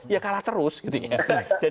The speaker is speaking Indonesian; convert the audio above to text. ya kalah terus gitu ya